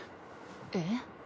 えっ？